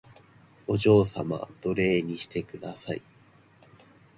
お嬢様奴隷にしてください